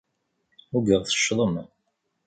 Ugaɣ teccḍem.